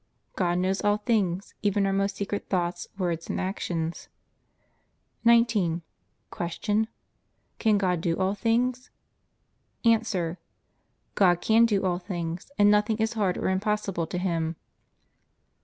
God knows all things, even our most secret thoughts, words, and actions. 19. Q. Can God do all things? A. God can do all things, and nothing is hard or impossible to Him.